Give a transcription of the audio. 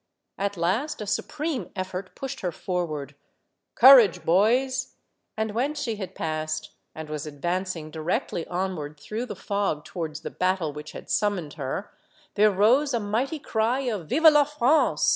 At last a supreme effort pushed her forward. " Courage, boys !" And when she had passed, and was advancing directly onward through the fog towards the battle which had summoned her, there rose a mighty cry of *' Vive la France